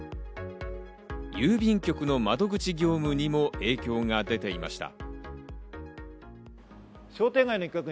郵便局の窓口業務にも影響が出ていました。